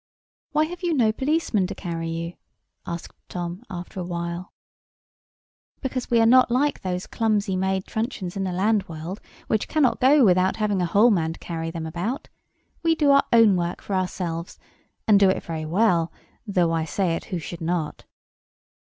"Why have you no policeman to carry you?" asked Tom, after a while. "Because we are not like those clumsy made truncheons in the land world, which cannot go without having a whole man to carry them about. We do our own work for ourselves; and do it very well, though I say it who should not."